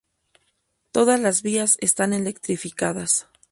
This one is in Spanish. Todas las vías están electrificadas.